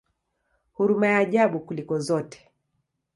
Huruma ya ajabu kuliko zote!